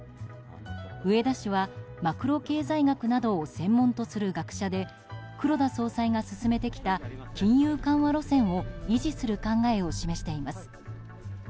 植田氏は、マクロ経済学などを専門とする学者で黒田総裁が進めてきた金融緩和路線を維持する考えを示しています。